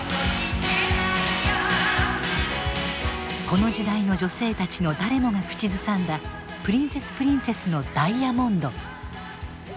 この時代の女性たちの誰もが口ずさんだプリンセスプリンセスの「Ｄｉａｍｏｎｄｓ」。